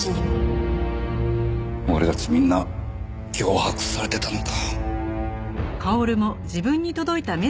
俺たちみんな脅迫されてたのか。